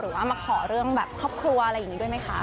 มาขอเรื่องแบบครอบครัวอะไรอย่างนี้ด้วยไหมคะ